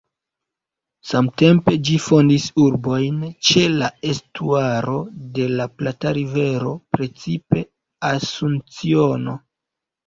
Samtempe ĝi fondis urbojn ĉe la estuaro de la Plata-rivero, precipe Asunciono.